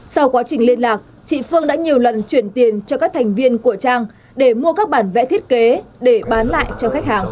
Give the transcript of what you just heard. sau quá trình liên lạc chị phương đã nhiều lần chuyển tiền cho các thành viên của trang để mua các bản vẽ thiết kế để bán lại